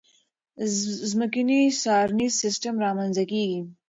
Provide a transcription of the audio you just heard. ځمکنی څارنیز سیستم رامنځته کېږي.